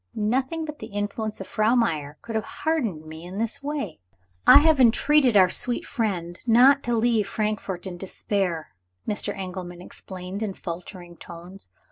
Nothing but the influence of Frau Meyer could have hardened me in this way! "I have entreated our sweet friend not to leave Frankfort in despair," Mr. Engelman explained in faltering tones.